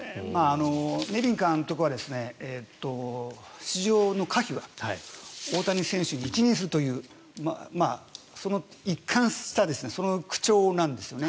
ネビン監督は出場の可否は大谷選手に一任するというその一貫した口調なんですね。